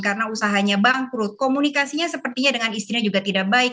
karena usahanya bangkrut komunikasinya sepertinya dengan istrinya juga tidak baik